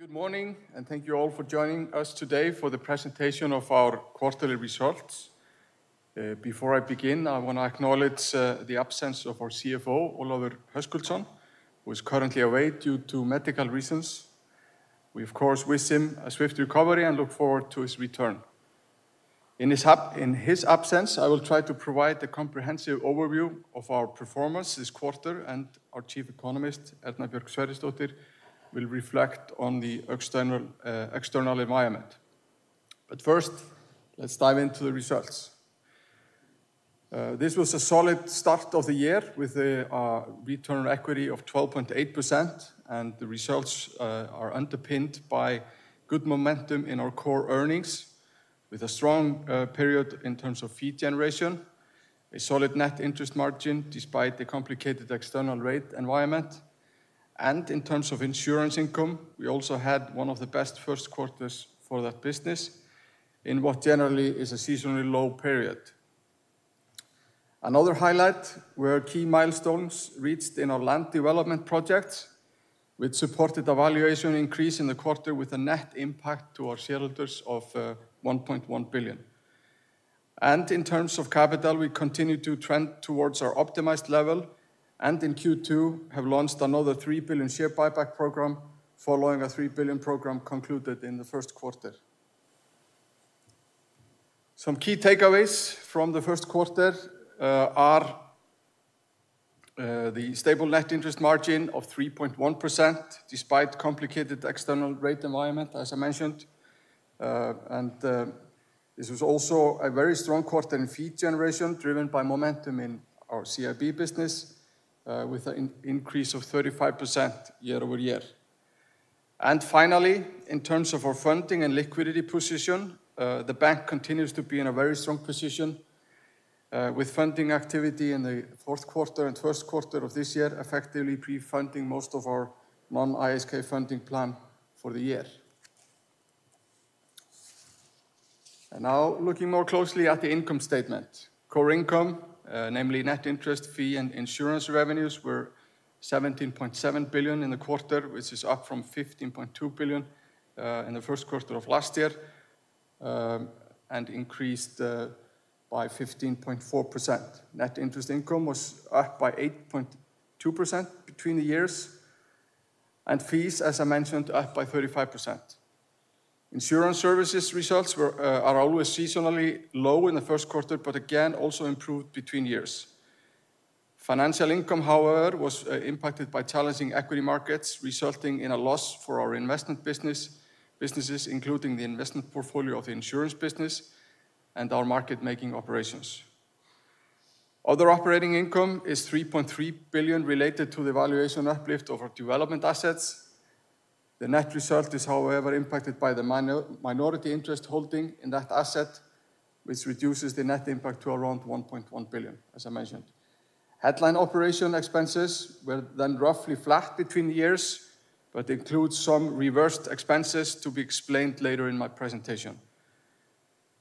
Good morning, and thank you all for joining us today for the presentation of our quarterly results. Before I begin, I want to acknowledge the absence of our CFO, Ólafur Höskuldsson, who is currently away due to medical reasons. We, of course, wish him a swift recovery and look forward to his return. In his absence, I will try to provide a comprehensive overview of our performance this quarter, and our Chief Economist, Arna Björk Særestadóttir, will reflect on the external environment. First, let's dive into the results. This was a solid start of the year with a return on equity of 12.8%, and the results are underpinned by good momentum in our core earnings, with a strong period in terms of fee generation, a solid net interest margin despite the complicated external rate environment. In terms of insurance income, we also had one of the best first quarters for that business in what generally is a seasonally low period. Another highlight: we had key milestones reached in our land development projects, which supported a valuation increase in the quarter with a net impact to our shareholders of 1.1 billion. In terms of capital, we continue to trend towards our optimized level, and in Q2, have launched another 3 billion share buyback program following a 3 billion program concluded in the first quarter. Some key takeaways from the first quarter are the stable net interest margin of 3.1% despite the complicated external rate environment, as I mentioned. This was also a very strong quarter in fee generation, driven by momentum in our CIB business, with an increase of 35% year over year. Finally, in terms of our funding and liquidity position, the bank continues to be in a very strong position with funding activity in the fourth quarter and first quarter of this year, effectively pre-funding most of our non-ISK funding plan for the year. Now, looking more closely at the income statement, core income, namely net interest, fee, and insurance revenues, were 17.7 billion in the quarter, which is up from 15.2 billion in the first quarter of last year and increased by 15.4%. Net interest income was up by 8.2% between the years, and fees, as I mentioned, up by 35%. Insurance services results are always seasonally low in the first quarter, but again, also improved between years. Financial income, however, was impacted by challenging equity markets, resulting in a loss for our investment businesses, including the investment portfolio of the insurance business and our market-making operations. Other operating income is 3.3 billion, related to the valuation uplift of our development assets. The net result is, however, impacted by the minority interest holding in that asset, which reduces the net impact to around 1.1 billion, as I mentioned. Headline operation expenses were then roughly flat between the years, but include some reversed expenses to be explained later in my presentation.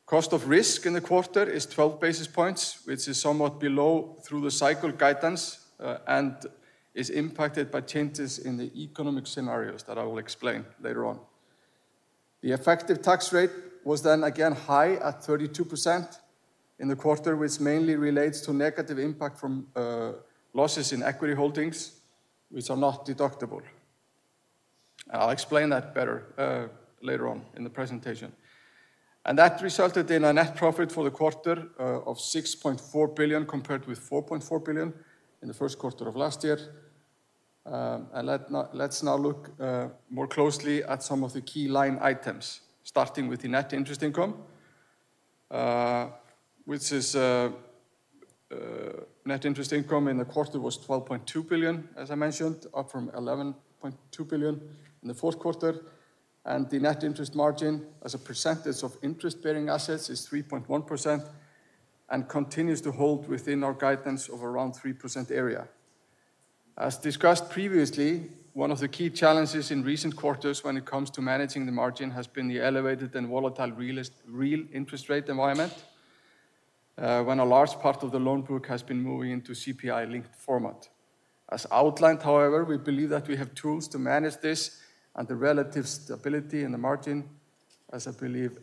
Cost of risk in the quarter is 12 basis points, which is somewhat below through the cycle guidance and is impacted by changes in the economic scenarios that I will explain later on. The effective tax rate was then again high at 32% in the quarter, which mainly relates to negative impact from losses in equity holdings, which are not deductible. I'll explain that better later on in the presentation. That resulted in a net profit for the quarter of 6.4 billion, compared with 4.4 billion in the first quarter of last year. Let's now look more closely at some of the key line items, starting with the net interest income, which is net interest income in the quarter was 12.2 billion, as I mentioned, up from 11.2 billion in the fourth quarter. The net interest margin, as a percentage of interest-bearing assets, is 3.1% and continues to hold within our guidance of around 3% area. As discussed previously, one of the key challenges in recent quarters when it comes to managing the margin has been the elevated and volatile real interest rate environment, when a large part of the loan book has been moving into CPI-linked format. As outlined, however, we believe that we have tools to manage this, and the relative stability in the margin, as I believe,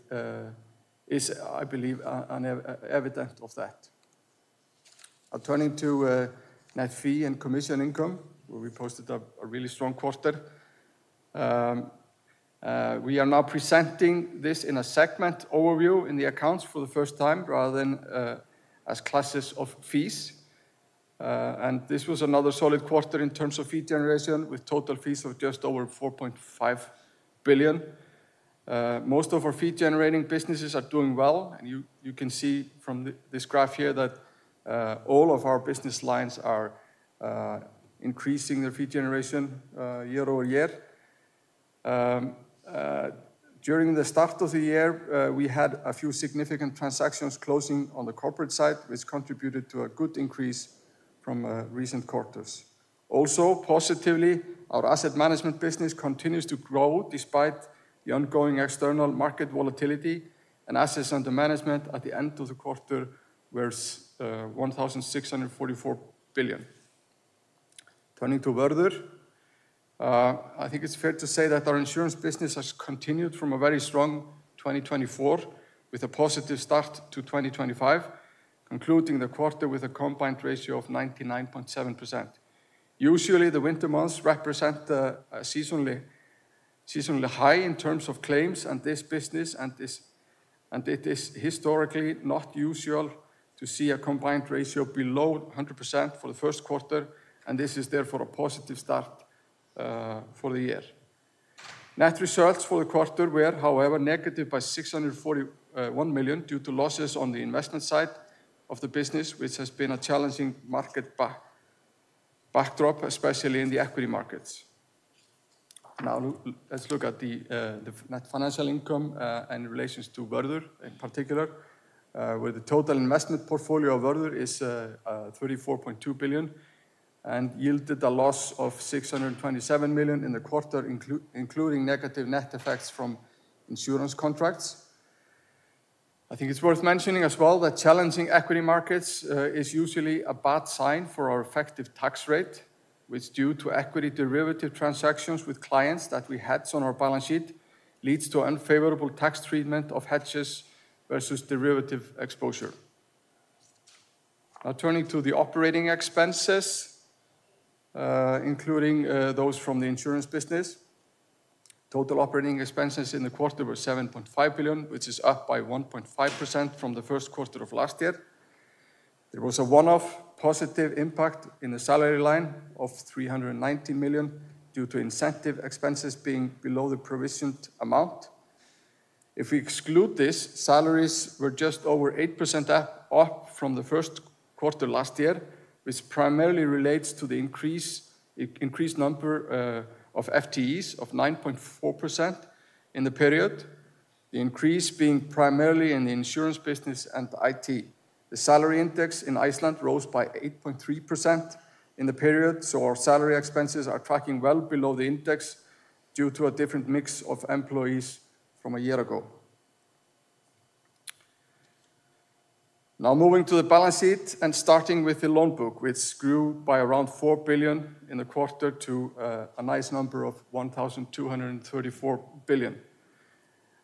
is, I believe, an evidence of that. I'll turn into net fee and commission income, where we posted a really strong quarter. We are now presenting this in a segment overview in the accounts for the first time, rather than as classes of fees. This was another solid quarter in terms of fee generation, with total fees of just over 4.5 billion. Most of our fee-generating businesses are doing well, and you can see from this graph here that all of our business lines are increasing their fee generation year over year. During the start of the year, we had a few significant transactions closing on the corporate side, which contributed to a good increase from recent quarters. Also, positively, our asset management business continues to grow despite the ongoing external market volatility, and assets under management at the end of the quarter were 1.644 billion. Turning to Vörður, I think it's fair to say that our insurance business has continued from a very strong 2024, with a positive start to 2025, concluding the quarter with a combined ratio of 99.7%. Usually, the winter months represent a seasonally high in terms of claims in this business, and it is historically not usual to see a combined ratio below 100% for the first quarter, and this is therefore a positive start for the year. Net results for the quarter were, however, negative by 641 million due to losses on the investment side of the business, which has been a challenging market backdrop, especially in the equity markets. Now, let's look at the net financial income and relations to Vördur in particular, where the total investment portfolio of Vördur is 34.2 billion and yielded a loss of 627 million in the quarter, including negative net effects from insurance contracts. I think it's worth mentioning as well that challenging equity markets is usually a bad sign for our effective tax rate, which, due to equity derivative transactions with clients that we had on our balance sheet, leads to unfavorable tax treatment of hedges versus derivative exposure. Now, turning to the operating expenses, including those from the insurance business, total operating expenses in the quarter were 7.5 billion, which is up by 1.5% from the first quarter of last year. There was a one-off positive impact in the salary line of 390 million due to incentive expenses being below the provisioned amount. If we exclude this, salaries were just over 8% up from the first quarter last year, which primarily relates to the increased number of FTEs of 9.4% in the period, the increase being primarily in the insurance business and IT. The salary index in Iceland rose by 8.3% in the period, so our salary expenses are tracking well below the index due to a different mix of employees from a year ago. Now, moving to the balance sheet and starting with the loan book, which grew by around 4 billion in the quarter to a nice number of 1,234 billion.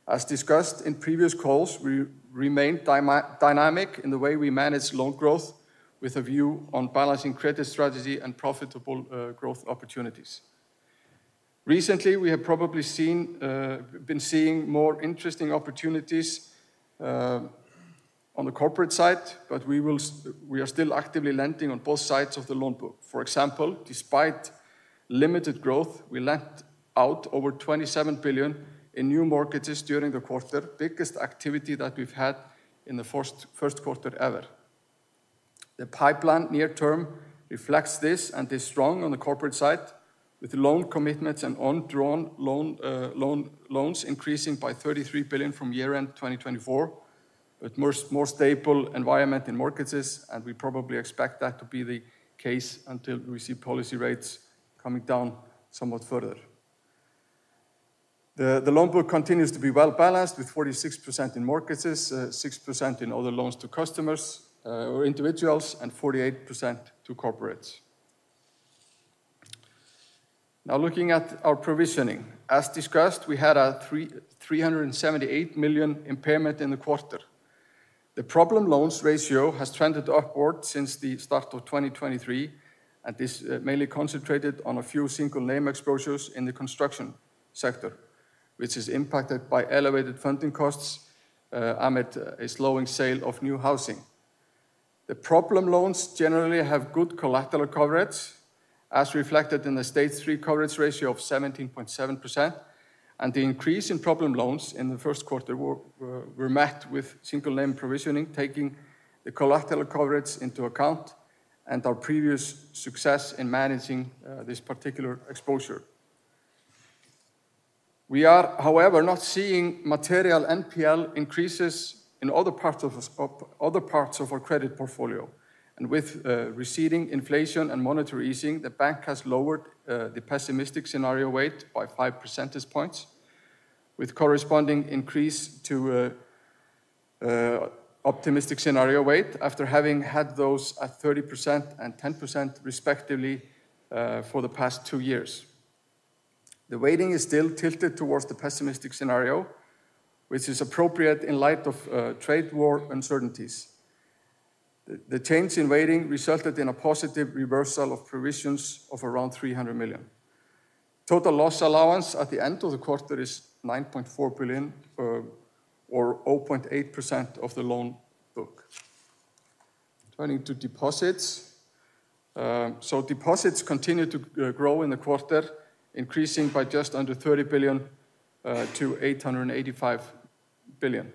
As discussed in previous calls, we remain dynamic in the way we manage loan growth, with a view on balancing credit strategy and profitable growth opportunities. Recently, we have probably been seeing more interesting opportunities on the corporate side, but we are still actively lending on both sides of the loan book. For example, despite limited growth, we lent out 27 billion in new markets during the quarter, the biggest activity that we've had in the first quarter ever. The pipeline near-term reflects this and is strong on the corporate side, with loan commitments and undrawn loans increasing by 33 billion from year-end 2024, but a more stable environment in markets, and we probably expect that to be the case until we see policy rates coming down somewhat further. The loan book continues to be well-balanced, with 46% in markets, 6% in other loans to customers or individuals, and 48% to corporates. Now, looking at our provisioning, as discussed, we had a 378 million impairment in the quarter. The problem loans ratio has trended upward since the start of 2023, and this is mainly concentrated on a few single-name exposures in the construction sector, which is impacted by elevated funding costs amid a slowing sale of new housing. The problem loans generally have good collateral coverage, as reflected in the stage three coverage ratio of 17.7%, and the increase in problem loans in the first quarter were met with single-name provisioning taking the collateral coverage into account and our previous success in managing this particular exposure. We are, however, not seeing material NPL increases in other parts of our credit portfolio, and with receding inflation and monetary easing, the bank has lowered the pessimistic scenario weight by 5 percentage points, with corresponding increase to optimistic scenario weight after having had those at 30% and 10%, respectively, for the past two years. The weighting is still tilted towards the pessimistic scenario, which is appropriate in light of trade war uncertainties. The change in weighting resulted in a positive reversal of provisions of around 300 million. Total loss allowance at the end of the quarter is 9.4 billion or 0.8% of the loan book. Turning to deposits, deposits continue to grow in the quarter, increasing by just under 30 billion to 885 billion.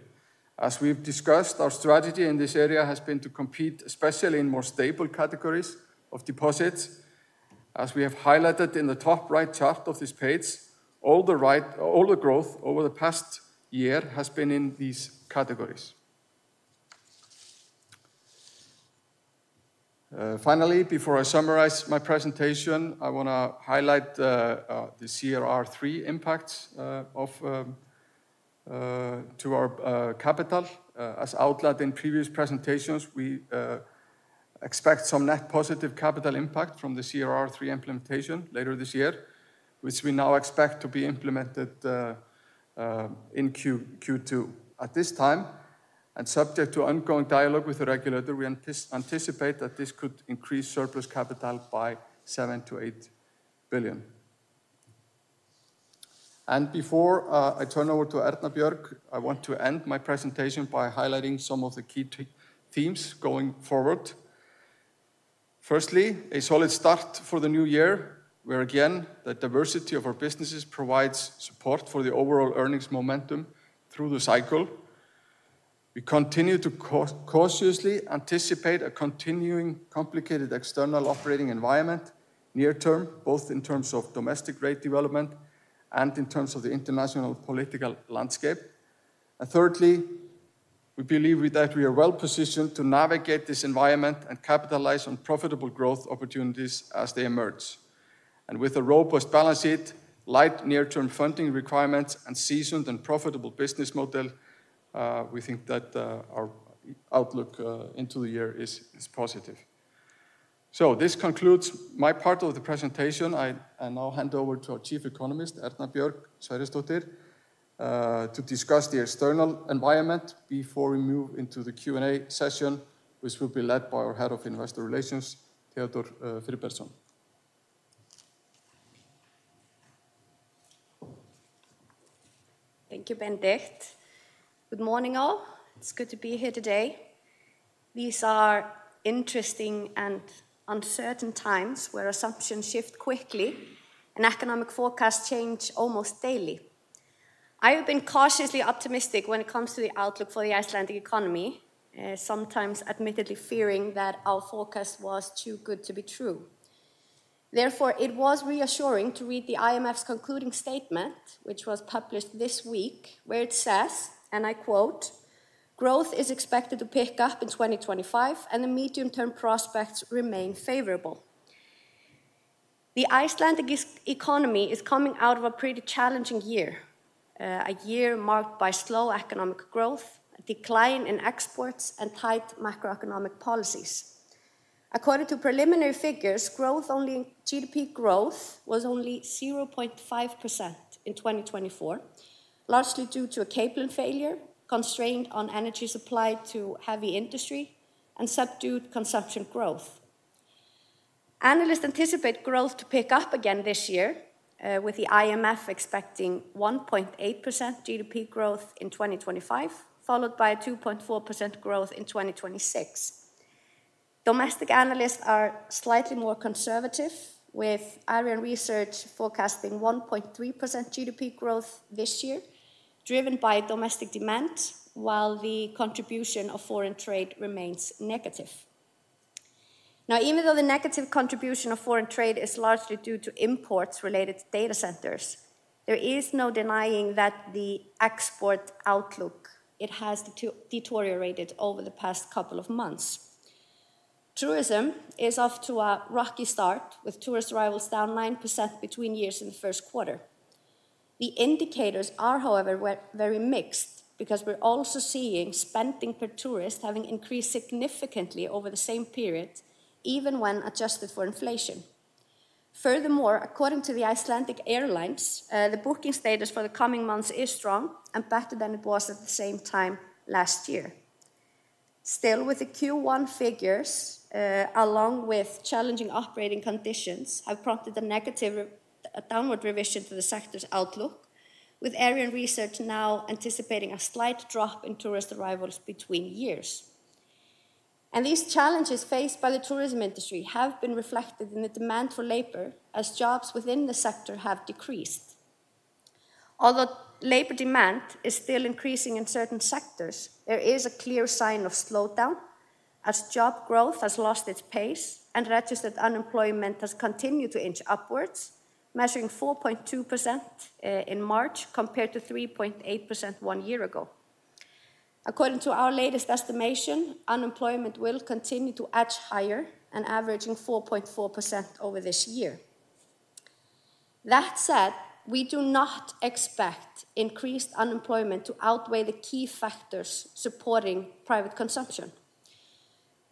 As we've discussed, our strategy in this area has been to compete especially in more stable categories of deposits. As we have highlighted in the top right chart of this page, all the growth over the past year has been in these categories. Finally, before I summarize my presentation, I want to highlight the CRR3 impacts to our capital. As outlined in previous presentations, we expect some net positive capital impact from the CRR3 implementation later this year, which we now expect to be implemented in Q2. At this time, and subject to ongoing dialogue with the regulator, we anticipate that this could increase surplus capital by 7 billion-8 billion. Before I turn over to Arna Björk, I want to end my presentation by highlighting some of the key themes going forward. Firstly, a solid start for the new year, where again, the diversity of our businesses provides support for the overall earnings momentum through the cycle. We continue to cautiously anticipate a continuing complicated external operating environment near-term, both in terms of domestic rate development and in terms of the international political landscape. Thirdly, we believe that we are well positioned to navigate this environment and capitalize on profitable growth opportunities as they emerge. With a robust balance sheet, light near-term funding requirements, and a seasoned and profitable business model, we think that our outlook into the year is positive. This concludes my part of the presentation. I now hand over to our Chief Economist, Arna Björk Særestadóttir, to discuss the external environment before we move into the Q&A session, which will be led by our Head of Investor Relations, Theodor Friðriksson. Thank you, Benedikt. Good morning, all. It's good to be here today. These are interesting and uncertain times where assumptions shift quickly and economic forecasts change almost daily. I have been cautiously optimistic when it comes to the outlook for the Icelandic economy, sometimes admittedly fearing that our forecast was too good to be true. Therefore, it was reassuring to read the IMF's concluding statement, which was published this week, where it says, and I quote, "Growth is expected to pick up in 2025, and the medium-term prospects remain favorable." The Icelandic economy is coming out of a pretty challenging year, a year marked by slow economic growth, a decline in exports, and tight macroeconomic policies. According to preliminary figures, GDP growth was only 0.5% in 2024, largely due to a cabling failure, constraint on energy supply to heavy industry, and subdued consumption growth. Analysts anticipate growth to pick up again this year, with the IMF expecting 1.8% GDP growth in 2025, followed by 2.4% growth in 2026. Domestic analysts are slightly more conservative, with Arion Research forecasting 1.3% GDP growth this year, driven by domestic demand, while the contribution of foreign trade remains negative. Now, even though the negative contribution of foreign trade is largely due to imports related to data centers, there is no denying that the export outlook has deteriorated over the past couple of months. Tourism is off to a rocky start, with tourist arrivals down 9% between years in the first quarter. The indicators are, however, very mixed because we're also seeing spending per tourist having increased significantly over the same period, even when adjusted for inflation. Furthermore, according to Icelandair, the booking status for the coming months is strong and better than it was at the same time last year. Still, the Q1 figures, along with challenging operating conditions, have prompted a negative downward revision to the sector's outlook, with Arion Research now anticipating a slight drop in tourist arrivals between years. These challenges faced by the tourism industry have been reflected in the demand for labor as jobs within the sector have decreased. Although labor demand is still increasing in certain sectors, there is a clear sign of slowdown as job growth has lost its pace and registered unemployment has continued to inch upwards, measuring 4.2% in March compared to 3.8% one year ago. According to our latest estimation, unemployment will continue to edge higher and averaging 4.4% over this year. That said, we do not expect increased unemployment to outweigh the key factors supporting private consumption.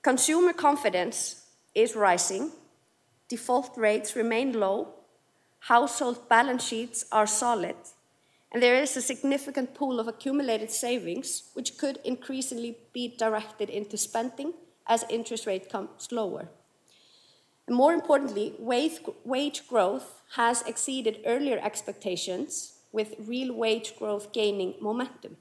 Consumer confidence is rising, default rates remain low, household balance sheets are solid, and there is a significant pool of accumulated savings, which could increasingly be directed into spending as interest rates come slower. More importantly, wage growth has exceeded earlier expectations, with real wage growth gaining momentum.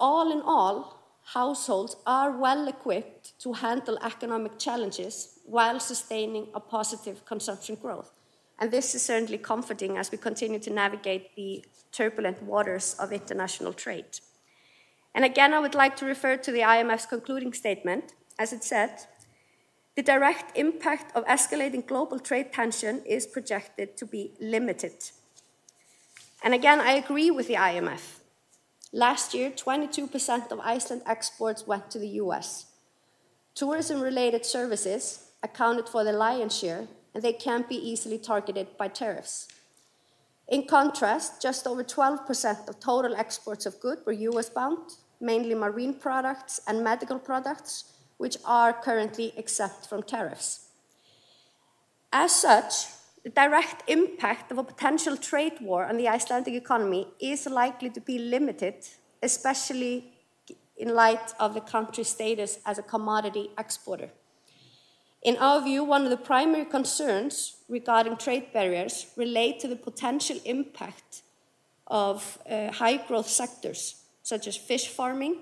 All in all, households are well equipped to handle economic challenges while sustaining a positive consumption growth. This is certainly comforting as we continue to navigate the turbulent waters of international trade. I would like to refer to the IMF's concluding statement, as it said, "The direct impact of escalating global trade tension is projected to be limited." I agree with the IMF. Last year, 22% of Iceland's exports went to the U.S. Tourism-related services accounted for the lion's share, and they can be easily targeted by tariffs. In contrast, just over 12% of total exports of goods were U.S.-bound, mainly marine products and medical products, which are currently exempt from tariffs. As such, the direct impact of a potential trade war on the Icelandic economy is likely to be limited, especially in light of the country's status as a commodity exporter. In our view, one of the primary concerns regarding trade barriers relates to the potential impact of high-growth sectors such as fish farming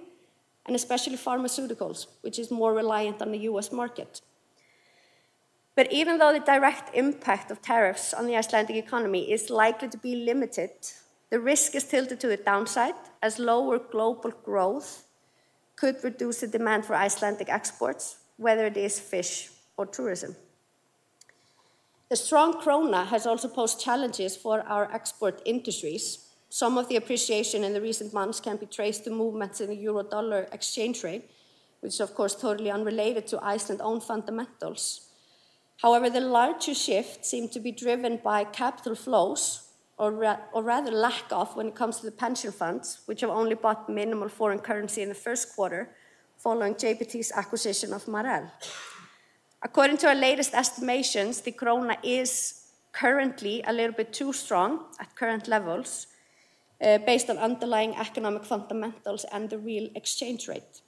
and especially pharmaceuticals, which is more reliant on the U.S. market. Even though the direct impact of tariffs on the Icelandic economy is likely to be limited, the risk is tilted to the downside as lower global growth could reduce the demand for Icelandic exports, whether it is fish or tourism. The strong króna has also posed challenges for our export industries. Some of the appreciation in the recent months can be traced to movements in the euro/dollar exchange rate, which is, of course, totally unrelated to Iceland's own fundamentals. However, the larger shift seems to be driven by capital flows, or rather lack of, when it comes to the pension funds, which have only bought minimal foreign currency in the first quarter following JBS's acquisition of Marel. According to our latest estimations, the króna is currently a little bit too strong at current levels based on underlying economic fundamentals and the real exchange rate.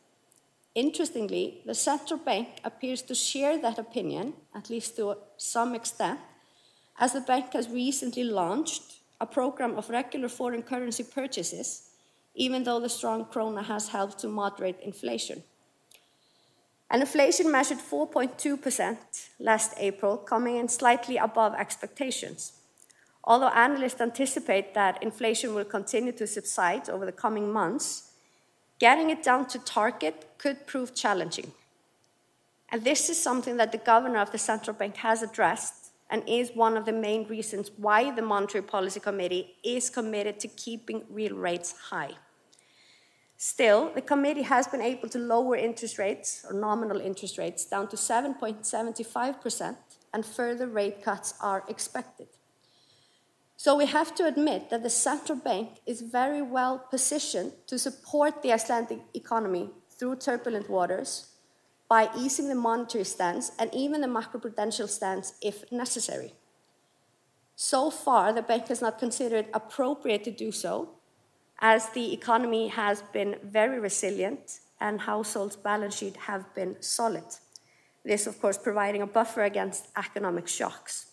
Interestingly, the central bank appears to share that opinion, at least to some extent, as the bank has recently launched a program of regular foreign currency purchases, even though the strong króna has helped to moderate inflation. Inflation measured 4.2% last April, coming in slightly above expectations. Although analysts anticipate that inflation will continue to subside over the coming months, getting it down to target could prove challenging. This is something that the governor of the central bank has addressed and is one of the main reasons why the Monetary Policy Committee is committed to keeping real rates high. Still, the committee has been able to lower interest rates, or nominal interest rates, down to 7.75%, and further rate cuts are expected. We have to admit that the central bank is very well positioned to support the Icelandic economy through turbulent waters by easing the monetary stance and even the macroprudential stance if necessary. So far, the bank has not considered it appropriate to do so as the economy has been very resilient and households' balance sheets have been solid. This, of course, provides a buffer against economic shocks.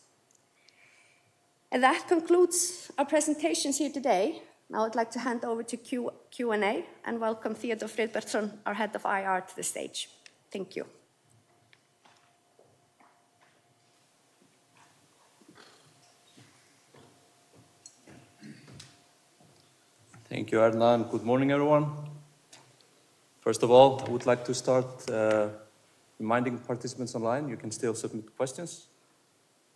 That concludes our presentations here today. Now I'd like to hand over to Q&A and welcome Theodor Friðriksson, our Head of Investor Relations, to the stage. Thank you. Thank you, Arna. Good morning, everyone. First of all, I would like to start reminding participants online you can still submit questions.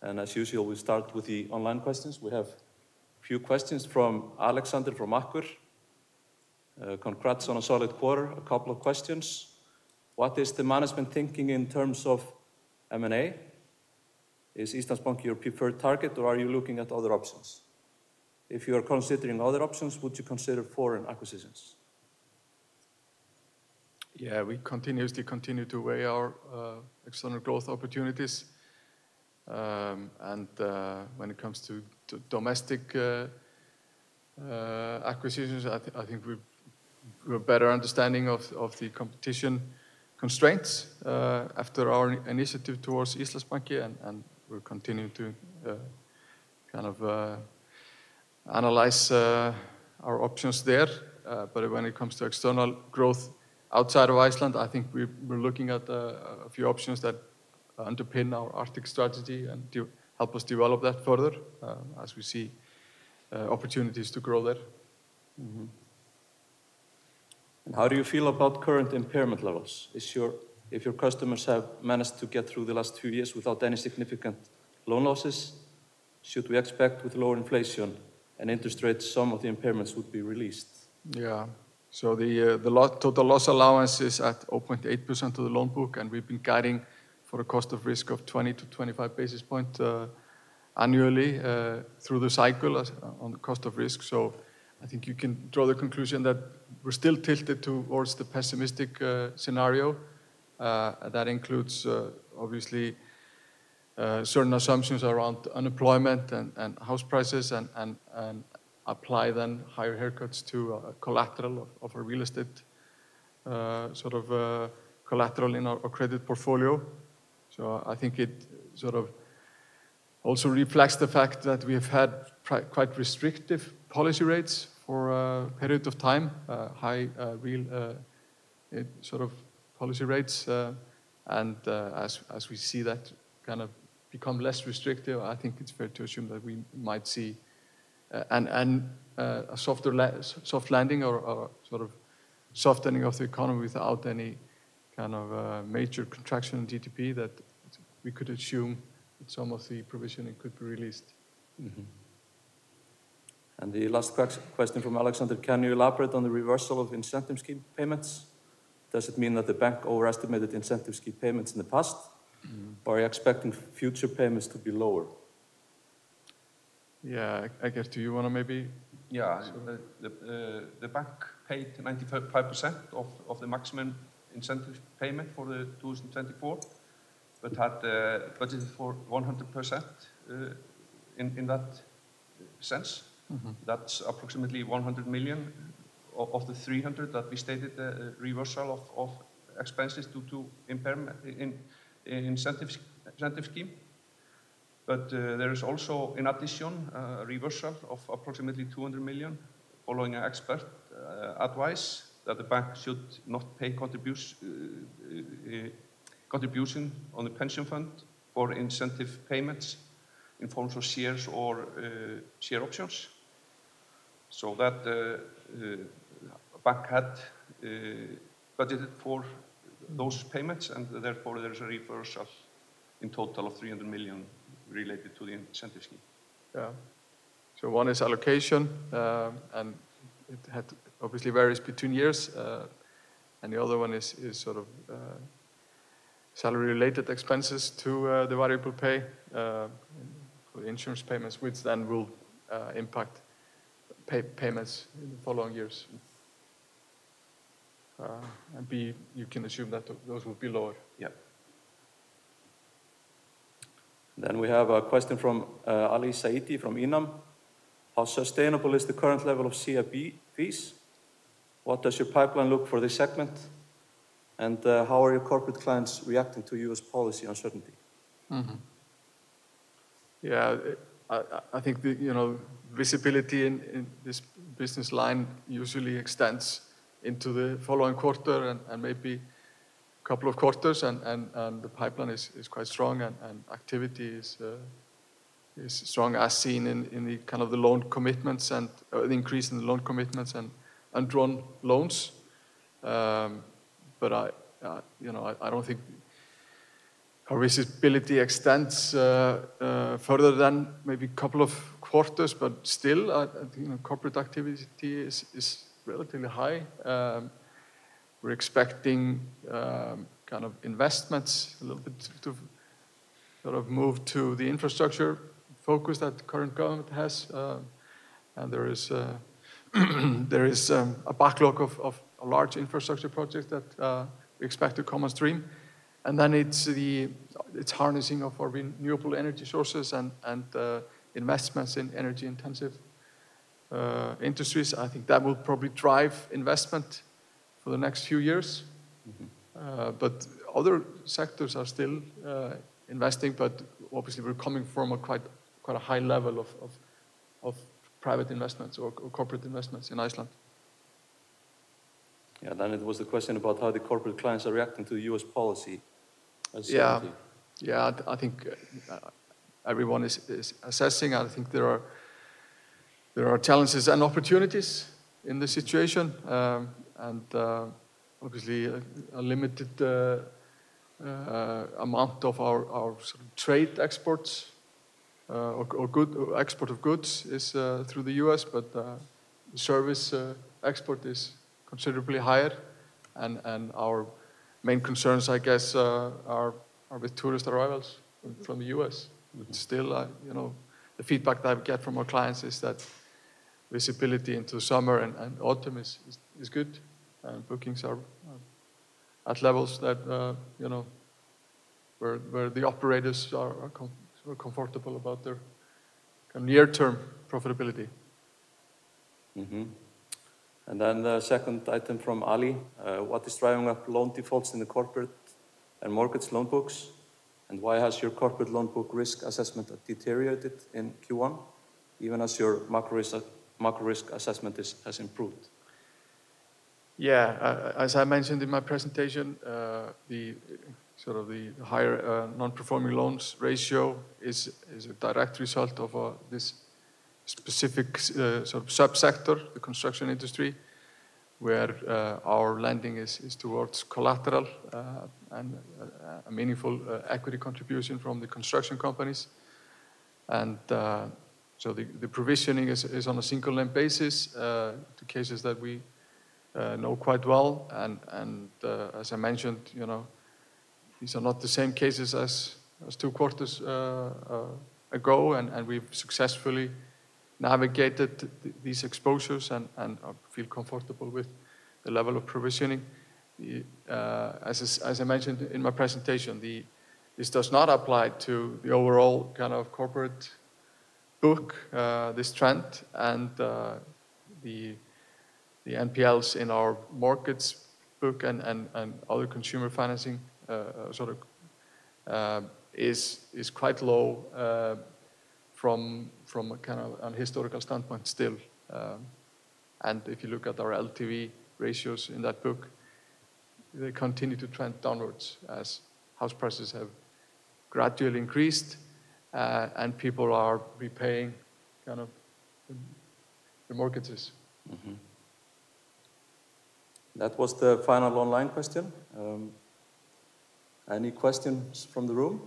As usual, we start with the online questions. We have a few questions from Alexander from Akkur. Congrats on a solid quarter. A couple of questions. What is the management thinking in terms of M&A? Is Eastern Spunk your preferred target, or are you looking at other options? If you are considering other options, would you consider foreign acquisitions? Yeah, we continuously continue to weigh our external growth opportunities. When it comes to domestic acquisitions, I think we have a better understanding of the competition constraints after our initiative towards Eastern Spunk. We will continue to kind of analyze our options there. When it comes to external growth outside of Iceland, I think we're looking at a few options that underpin our Arctic strategy and help us develop that further as we see opportunities to grow there. How do you feel about current impairment levels? If your customers have managed to get through the last few years without any significant loan losses, should we expect with lower inflation and interest rates, some of the impairments would be released? Yeah. The total loss allowance is at 0.8% of the loan book, and we've been guiding for a cost of risk of 20-25 basis points annually through the cycle on the cost of risk. I think you can draw the conclusion that we're still tilted towards the pessimistic scenario. That includes, obviously, certain assumptions around unemployment and house prices and apply then higher haircuts to a collateral of a real estate sort of collateral in our credit portfolio. I think it sort of also reflects the fact that we have had quite restrictive policy rates for a period of time, high real sort of policy rates. As we see that kind of become less restrictive, I think it's fair to assume that we might see a soft landing or sort of softening of the economy without any kind of major contraction in GDP that we could assume that some of the provisioning could be released. The last question from Alexander, can you elaborate on the reversal of incentive scheme payments? Does it mean that the bank overestimated incentive scheme payments in the past, or are you expecting future payments to be lower? Yeah, I guess, do you want to maybe? Yeah. The bank paid 95% of the maximum incentive payment for 2024, but had budgeted for 100% in that sense. That is approximately 100 million of the 300 million that we stated, the reversal of expenses due to the incentive scheme. There is also, in addition, a reversal of approximately 200 million, following expert advice, that the bank should not pay contribution on the pension fund for incentive payments in forms of shares or share options. The bank had budgeted for those payments, and therefore there is a reversal in total of 300 million related to the incentive scheme. Yeah. One is allocation, and it obviously varies between years. The other one is sort of salary-related expenses to the variable pay for the insurance payments, which then will impact payments in the following years. B, you can assume that those will be lower. Yeah. We have a question from Ali Saiti from Inam. How sustainable is the current level of CFP fees? What does your pipeline look for this segment? And how are your corporate clients reacting to U.S. policy uncertainty? Yeah, I think visibility in this business line usually extends into the following quarter and maybe a couple of quarters. The pipeline is quite strong, and activity is strong, as seen in the kind of the loan commitments and the increase in the loan commitments and drawn loans. I do not think our visibility extends further than maybe a couple of quarters. Still, corporate activity is relatively high. We are expecting kind of investments a little bit to sort of move to the infrastructure focus that the current government has. There is a backlog of large infrastructure projects that we expect to come on stream. It is the harnessing of our renewable energy sources and investments in energy-intensive industries. I think that will probably drive investment for the next few years. Other sectors are still investing, but obviously, we are coming from quite a high level of private investments or corporate investments in Iceland. Yeah. There was the question about how the corporate clients are reacting to the U.S. policy. I think everyone is assessing. I think there are challenges and opportunities in the situation. Obviously, a limited amount of our trade exports or export of goods is through the U.S. The service export is considerably higher. Our main concerns, I guess, are with tourist arrivals from the U.S. Still, the feedback that I get from our clients is that visibility into summer and autumn is good. Bookings are at levels where the operators are comfortable about their near-term profitability. The second item from Ali, what is driving up loan defaults in the corporate and mortgage loan books? Why has your corporate loan book risk assessment deteriorated in Q1, even as your macro risk assessment has improved? Yeah, as I mentioned in my presentation, the higher non-performing loans ratio is a direct result of this specific subsector, the construction industry, where our lending is towards collateral and a meaningful equity contribution from the construction companies. The provisioning is on a single-limit basis to cases that we know quite well. As I mentioned, these are not the same cases as two quarters ago. We have successfully navigated these exposures and feel comfortable with the level of provisioning. As I mentioned in my presentation, this does not apply to the overall kind of corporate book, this trend. The NPLs in our mortgage book and other consumer financing sort of is quite low from a kind of historical standpoint still. If you look at our LTV ratios in that book, they continue to trend downwards as house prices have gradually increased and people are repaying kind of the mortgages. That was the final online question. Any questions from the room?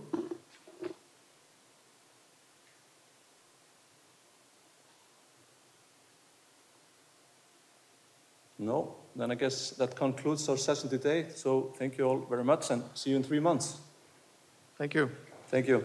No. I guess that concludes our session today. Thank you all very much and see you in three months. Thank you. Thank you.